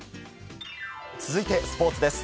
続いて、スポーツです。